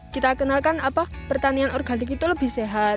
kita kenalkan pertanian organik itu lebih sehat